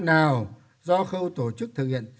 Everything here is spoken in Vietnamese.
nào do khâu tổ chức thực hiện